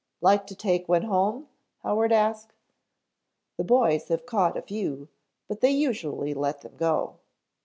"Like to take one home?" Howard asked. "The boys have caught a few, but they usually let them go."